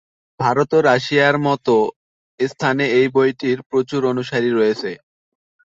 ভারত ও রাশিয়ার মত স্থানে এই বইটির প্রচুর অনুসারী রয়েছে।